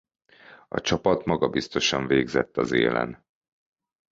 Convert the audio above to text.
A csapat magabiztosan végzett az élen.